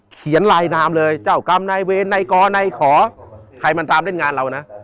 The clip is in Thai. เขียนลายนามเลยเจ้ากรรมนายเวรในกรในขอใครมันตามเล่นงานเรานะ